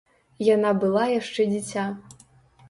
Яна была яшчэ дзіця.